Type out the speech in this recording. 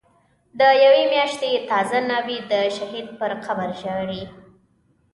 د یوی میاشتی تازه ناوی، دشهید پر قبرژاړی